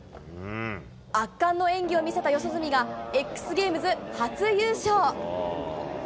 圧巻の演技を見せた四十住がエックスゲームズ初優勝。